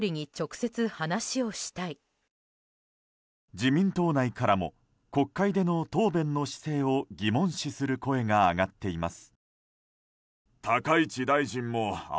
自民党内からも国会での答弁の姿勢を疑問視する声が上がっています。